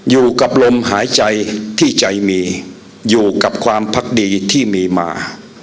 อยู่กับลมหายใจที่ใจมีอยู่กับความพักดีที่มีมา